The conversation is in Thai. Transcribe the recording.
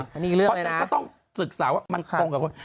อันนี้อีกเรื่องเลยนะก็ต้องศึกษาว่ามันตรงกับคน